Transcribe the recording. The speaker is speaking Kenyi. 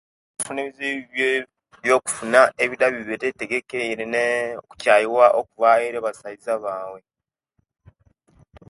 Tufuna ebizibu okufuna ebida ebitali byetegekere nokuchayiwa ejeri abasaiza baibu